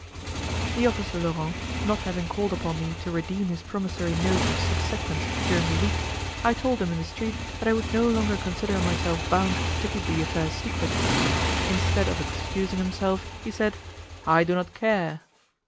The officer Laurent not having called upon me to redeem his promisory note of six sequins during the week, I told him in the street that I would no longer consider myself bound to keep the affair secret. Instead of excusing himself, he said, "I do not care!"